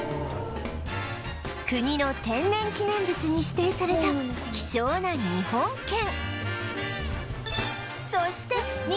国の天然記念物に指定された希少な日本犬